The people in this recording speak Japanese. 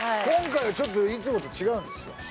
今回はちょっといつもと違うんですよ